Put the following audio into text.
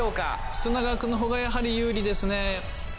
砂川くんのほうがやはり有利ですね。